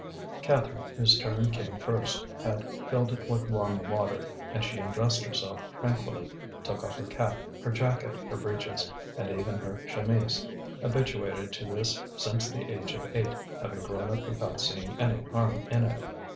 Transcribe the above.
Catherine, whose turn came first, had filled it with warm water; and she undressed herself tranquilly, took off her cap, her jacket, her breeches, and even her chemise, habituated to this since the age of eight, having grown up without seeing any harm in it.